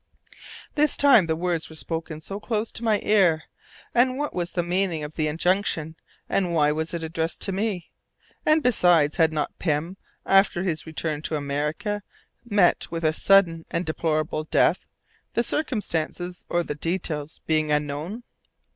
This time the words were spoken close to my ear. What was the meaning of the injunction, and why was it addressed to me? And besides, had not Pym, after his return to America, met with a sudden and deplorable death, the circumstances or the details being unknown?